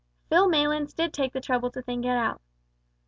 Phil Maylands did take the trouble to think it out.